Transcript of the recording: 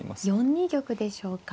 ４二玉でしょうか。